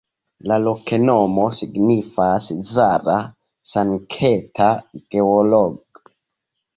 La loknomo signifas: Zala-Sankta Georgo.